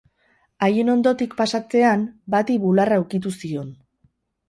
Haien ondotik pasatzean, bati bularra ukitu zion.